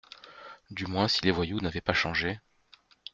Du moins si les voyous n’avaient pas changé